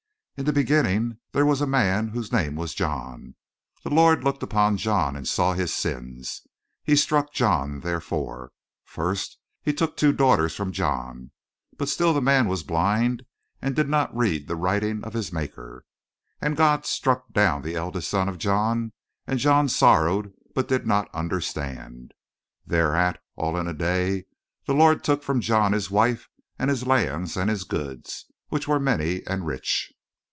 "In the beginning there was a man whose name was John. The Lord looked upon John and saw his sins. He struck John therefor. First He took two daughters from John, but still the man was blind and did not read the writing of his Maker. And God struck down the eldest son of John, and John sorrowed, but did not understand. Thereat, all in a day, the Lord took from John his wife and his lands and his goods, which were many and rich.